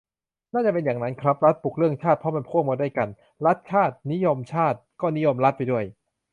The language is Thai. น่าจะเป็นอย่างนั้นครับ รัฐปลุกเรื่องชาติ เพราะมันพ่วงมาด้วยกัน รัฐ-ชาติ นิยมชาติ ก็นิยมรัฐไปด้วย